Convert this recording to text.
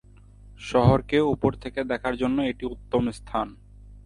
শহরকে উপর থেকে দেখার জন্য এটি একটি উত্তম স্থান।